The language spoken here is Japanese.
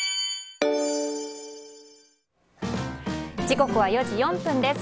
時刻は４時４分です。